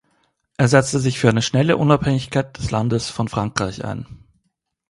Er setzte sich für eine schnelle Unabhängigkeit des Landes von Frankreich ein.